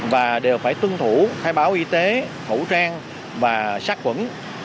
và đều phải tuân thủ khai báo y tế khẩu trang và sát quẩn